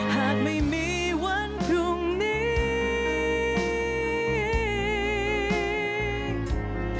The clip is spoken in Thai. หากไม่มีวันพรุ่งนี้